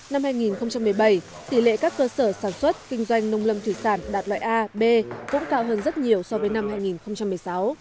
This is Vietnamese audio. năm hai nghìn một mươi bảy tỷ lệ các cơ sở sản xuất kinh doanh nông lâm thủy sản đạt loại a b cũng cao hơn rất nhiều so với năm hai nghìn một mươi sáu